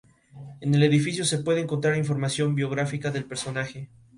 En el edificio se puede encontrar información biográfica del personaje.